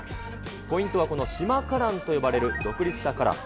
ポイントはこの島カランと呼ばれる独立したカラン。